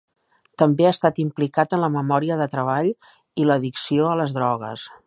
També ha estat implicat en la memòria de treball i l'addicció a les drogues.